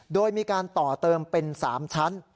โดยมีการต่อเติมเป็น๓ชั้น